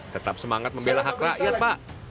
tetap semangat membela hak rakyat pak